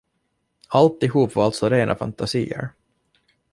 Alltihop var alltså rena fantasier?